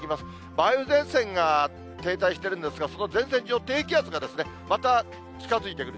梅雨前線が停滞してるんですが、その前線上、低気圧がまた近づいてくる。